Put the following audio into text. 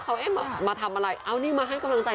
เขาเอ๊ะมาทำอะไรเอานี่มาให้กำลังใจ